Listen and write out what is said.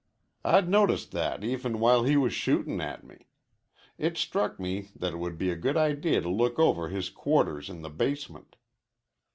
I'd noticed that even while he was shootin' at me. It struck me that it would be a good idea to look over his quarters in the basement.